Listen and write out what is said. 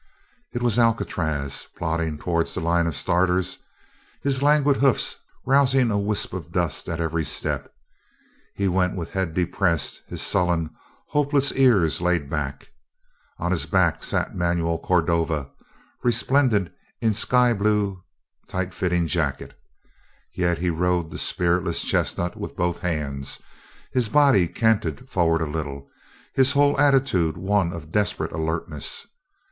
It was Alcatraz plodding towards the line of starters, his languid hoofs rousing a wisp of dust at every step. He went with head depressed, his sullen; hopeless ears laid back. On his back sat Manuel Cordova, resplendent in sky blue, tight fitting jacket. Yet he rode the spiritless chestnut with both hands, his body canted forward a little, his whole attitude one of desperate alertness.